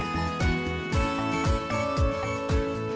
สวัสดีครับ